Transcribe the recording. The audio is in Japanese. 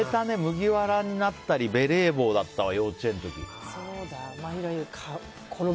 麦わらになったりベレー帽だったわ、幼稚園の時。